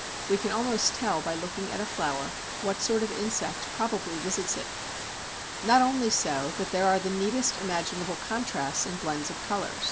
We can almost tell by looking at a flower what sort of insect probably visits it. Not only so, but there are the neatest imaginable contrasts and blends of colour.